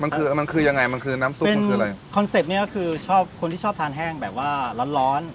มันคือมันคือยังไงมันคือน้ำซุปมันคืออะไรคอนเซ็ปต์เนี้ยก็คือชอบคนที่ชอบทานแห้งแบบว่าร้อนร้อน